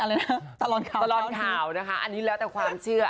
ตลอดข่าวตลอดข่าวนะคะอันนี้แล้วแต่ความเชื่อ